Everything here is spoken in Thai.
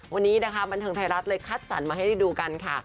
วันนี้บันทึงไทยรัฐเลยฆัดสรรพ์มาให้ดูกันค่ะ